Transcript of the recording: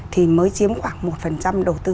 thì mới chiếm khoảng một đầu tư